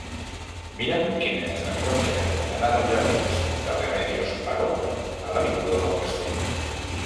Mira'm quina és la millor manera d'anar dels jardins de Remedios Varó a l'avinguda del Castell.